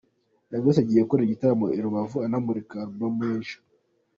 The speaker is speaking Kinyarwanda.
Young Grace agiye gukorera igitaramo i Rubavu anamurika Album ye nshya.